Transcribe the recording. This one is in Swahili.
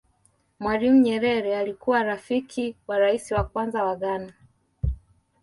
mwalimu nyerere alikuwa rafiki wa rais wa kwanza wa ghana